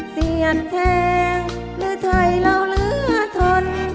เสียงแทงหรือไทยเราเหลือทน